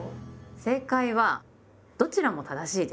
正解はどちらも正しいです！